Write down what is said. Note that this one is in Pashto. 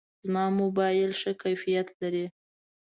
زما موبایل ښه کیفیت لري.